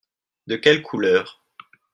De quelle couleur ?